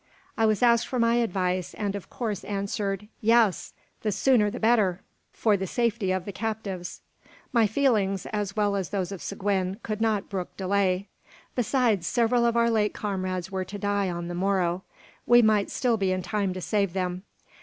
I was asked for my advice, and of course answered, "Yes! the sooner the better, for the safety of the captives." My feelings, as well as those of Seguin, could not brook delay. Besides, several of our late comrades were to die on the morrow. We might still be in time to save them.